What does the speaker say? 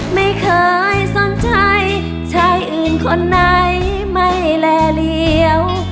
ไม่เคยสนใจชายอื่นคนไหนไม่แลเหลว